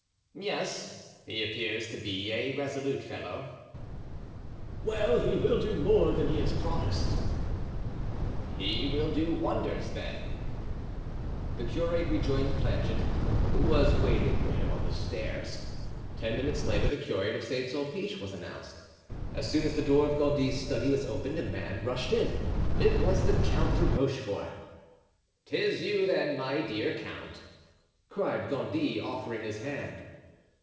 "Yes; he appears to be a resolute fellow." "Well, he will do more than he has promised." "He will do wonders then." The curate rejoined Planchet, who was waiting for him on the stairs. Ten minutes later the curate of St. Sulpice was announced. As soon as the door of Gondy's study was opened a man rushed in. It was the Count de Rochefort. "'Tis you, then, my dear count," cried Gondy, offering his hand.